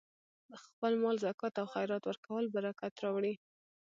د خپل مال زکات او خیرات ورکول برکت راوړي.